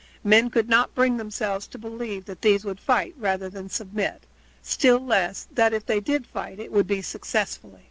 Men could not bring themselves to believe that these would fight rather than submit, still less that if they did fight it would be successfully.